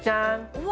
うわ。